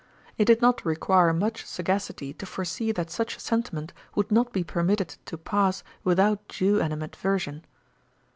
It did not require much sagacity to foresee that such a sentiment would not be permitted to pass without due animadversion.